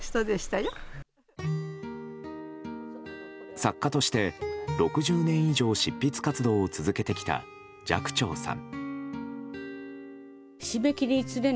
作家として、６０年以上執筆活動を続けてきた寂聴さん。